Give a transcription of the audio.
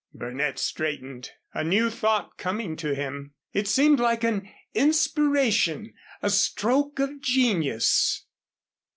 Burnett straightened, a new thought coming to him. It seemed like an inspiration a stroke of genius.